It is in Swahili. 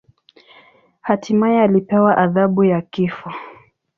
Hatimaye alipewa adhabu ya kifo.